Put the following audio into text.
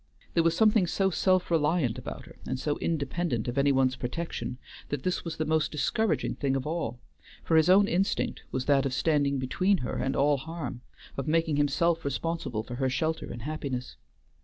There was something so self reliant about her and so independent of any one's protection, that this was the most discouraging thing of all, for his own instinct was that of standing between her and all harm, of making himself responsible for her shelter and happiness.